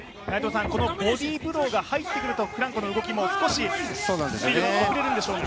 ボディブローが入ってくるとフランコの動きもスピードが少し遅れるんでしょうか。